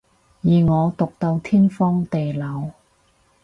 而我毒到天荒地老